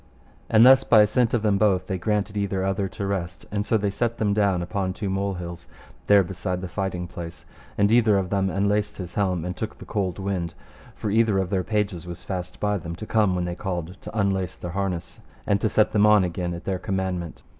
And thus by assent of them both they granted either other to rest; and so they set them down upon two mole hills there beside the fighting place, and either of them unlaced his helm, and took the cold wind; for either of their pages was fast by them, to come when they called to unlace their harness and to set them on again at their commandment.